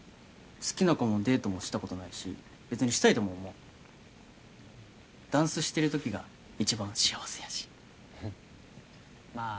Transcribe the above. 好きな子もデートもしたことないし別にしたいとも思わんダンスしてる時が一番幸せやしまあ